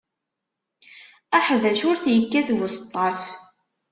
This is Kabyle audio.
Aḥbac ur t-ikkat buseṭṭaf.